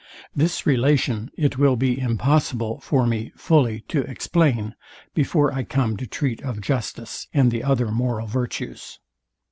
This relation it will be impossible for me fully to explain before I come to treat of justice and the other moral virtues.